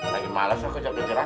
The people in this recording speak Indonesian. lagi males aku sekejap di cerah